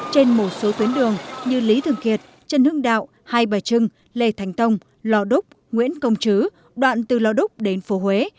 trên một số tuyến đường như lý thường kiệt trần hưng đạo hai bà trưng lê thành tông lò đúc nguyễn công chứ đoạn từ lò đúc đến phố huế